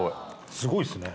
すごいっすね。